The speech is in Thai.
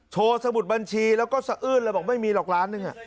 โชว์สมุดบัญชีแล้วก็เสอื้นแล้วบอกไม่มีหลอกล้านนึง